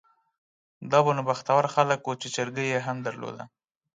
دا به نو بختور خلک وو چې چرګۍ یې درلوده.